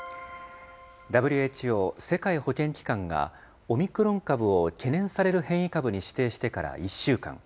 ＷＨＯ・世界保健機関が、オミクロン株を懸念される変異株に指定してから１週間。